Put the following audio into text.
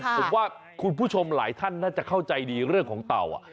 ผมว่าคุณผู้ชมหลายท่านน่าจะเข้าใจดีเรื่องของเต่า